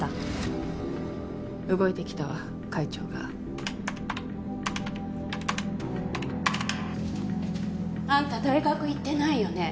動いてきたわ会長が。あんた大学行ってないよね。